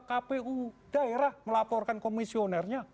kpu daerah melaporkan komisionernya